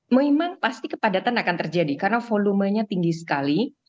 memang pasti kepadatan akan terjadi karena volumenya tinggi sekali